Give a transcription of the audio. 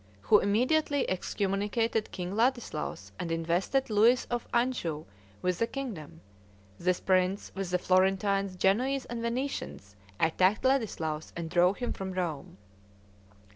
who immediately excommunicated King Ladislaus, and invested Louis of Anjou with the kingdom; this prince, with the Florentines, Genoese, and Venetians, attacked Ladislaus and drove him from Rome.